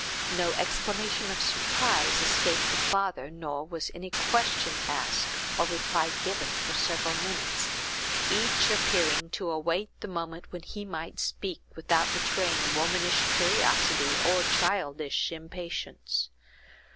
No exclamation of surprise escaped the father, nor was any question asked, or reply given, for several minutes; each appearing to await the moment when he might speak, without betraying womanish curiosity or childish impatience.